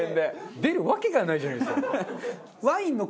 出るわけがないじゃないですか。